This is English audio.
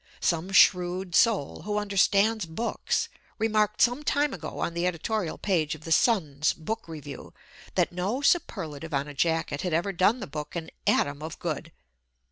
Some shrewd soul, who understands books, remarked some time ago on the editorial page of the Sun's book review that no superlative on a jacket had ever done the book an atom of good.